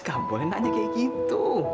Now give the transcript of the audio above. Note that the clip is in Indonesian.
gak boleh nanya kayak gitu